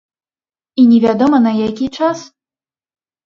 І невядома, на які час?